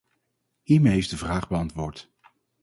Hiermee is de vraag beantwoord.